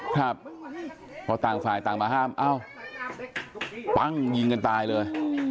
ครับพอต่างฝ่ายต่างมาห้ามเอ้าปั้งยิงกันตายเลย